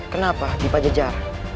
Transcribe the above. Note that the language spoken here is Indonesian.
kenapa di pajajar